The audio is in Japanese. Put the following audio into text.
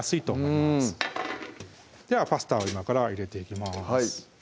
うんではパスタを今から入れていきます